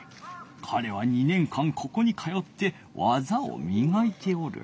かれは２年間ここに通って技をみがいておる。